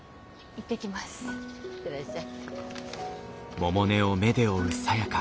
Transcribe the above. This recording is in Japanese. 行ってらっしゃい。